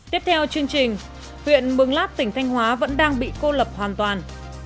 tiếp theo chương trình huyện mường lát tỉnh thanh hóa vẫn đang bị cô lập hoàn toàn